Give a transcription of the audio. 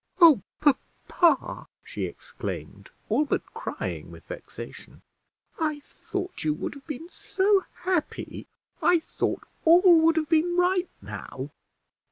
"Oh, papa!" she exclaimed, all but crying with vexation; "I thought you would have been so happy; I thought all would have been right now."